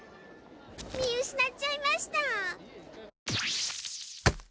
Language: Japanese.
見うしなっちゃいました！